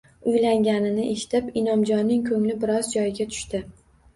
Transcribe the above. Uylanganini eshitib, Inomjonning ko`ngli biroz joyiga tushdi